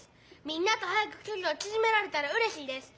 みんなとはやくきょりをちぢめられたらうれしいです。